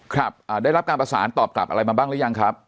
ครับได้รับการประสานตอบกลับอะไรมาบ้างหรือยังครับ